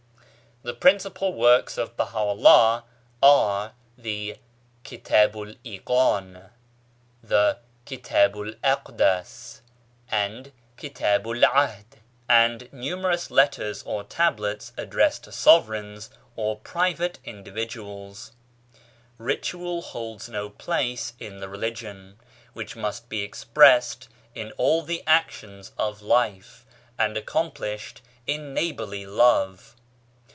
The principal works of Baha'u'llah are the Kitabu'l Iqan, the Kitabu'l Aqdas the Kitabu'l Ahd, and numerous letters or Tablets addressed to sovereigns or private individuals. Ritual holds no place in the religion, which must be expressed in all the actions of life, and accomplished in neighbourly love.